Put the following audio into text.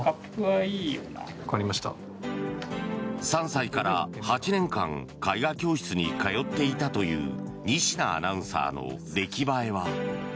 ３歳から８年間絵画教室に通っていたという仁科アナウンサーの出来栄えは。